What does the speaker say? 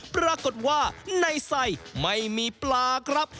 ปรากฏว่าในไส้ไม่มีปลาครับ